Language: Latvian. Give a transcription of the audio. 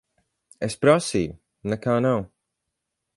Es prasīju. Nekā nav.